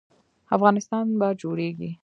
افغانستان به جوړیږي؟